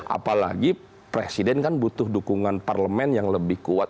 apalagi presiden kan butuh dukungan parlemen yang lebih kuat